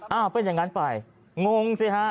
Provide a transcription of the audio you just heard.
เอ้าจะงั้นไปงงซี่ฮะ